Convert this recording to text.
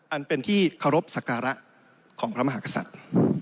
อันเป็นที่เคารพสักการะของพระมหากษัตริย์